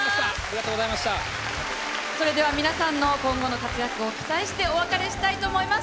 それでは皆さんの今後の活躍を期待してお別れしたいと思います。